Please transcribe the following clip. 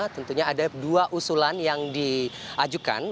tentunya ada dua usulan yang diajukan